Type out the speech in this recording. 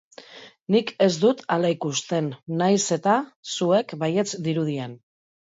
Nik ez dut hala ikusten, nahiz eta zuek baietz dirudien.